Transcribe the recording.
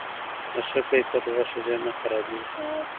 د ښه کیفیت غوښه ژر نه خرابیږي.